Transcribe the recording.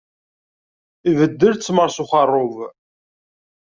Ibeddel ttmeṛ s uxerrub.